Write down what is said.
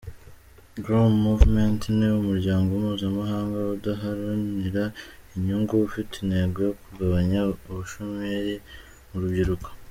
Grow Movement ni umuryango mpuzamahanga udaharanira inyungu, ufite intego yo kugabanya ubushomeri mu rubyiruko.